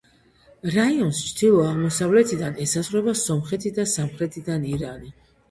რაიონს ჩრდილო-აღმოსავლეთიდან ესაზღვრება სომხეთი და სამხრეთიდან ირანი.